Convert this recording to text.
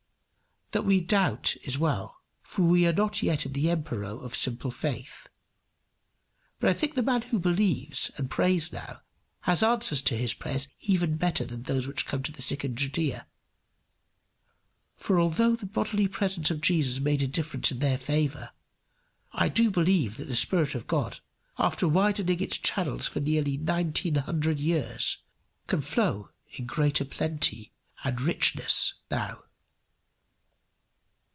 That we doubt is well, for we are not yet in the empyrean of simple faith. But I think the man who believes and prays now, has answers to his prayers even better than those which came to the sick in Judæa; for although the bodily presence of Jesus made a difference in their favour, I do believe that the Spirit of God, after widening its channels for nearly nineteen hundred years, can flow in greater plenty and richness now.